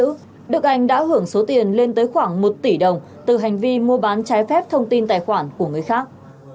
đỗ đức anh đã hưởng số tiền lên tới khoảng một tỷ đồng từ hành vi mua bán trái phép thông tin tài khoản của người khác